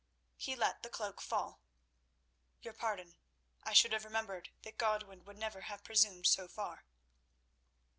He let the cloak fall. "Your pardon. I should have remembered that Godwin would never have presumed so far."